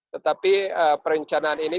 tetapi perencanaan ini